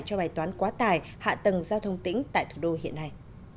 cho bài toán quá tài hạ tầng giao thông tỉnh tại thủ đô hiện nay